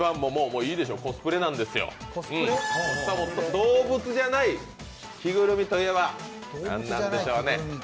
動物じゃない着ぐるみといえば何なんでしょうね？